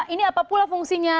ini apapun lah fungsinya